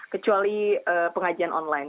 kecuali pengajian online